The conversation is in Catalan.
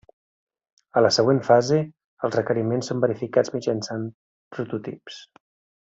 A la següent fase, els requeriments són verificats mitjançant prototips.